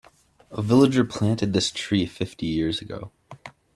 A villager planted this tree fifty years ago.